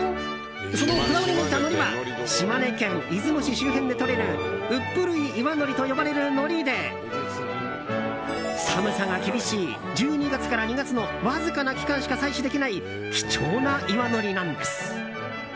そのこだわり抜いたのりは島根県出雲市周辺でとれる十六島岩海苔と呼ばれるのりで寒さが厳しい１２月から２月のわずかな期間しか採取できない貴重な岩海苔なんです。